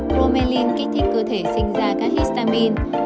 bromelain kích thích cơ thể sinh ra các histamine